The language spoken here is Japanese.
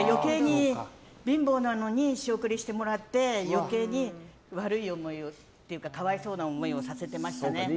貧乏なのに仕送りしてもらって余計に悪い思いをっていうか可哀想な思いをさせてましたね。